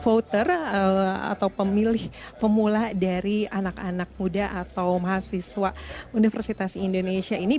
voter atau pemilih pemula dari anak anak muda atau mahasiswa universitas indonesia ini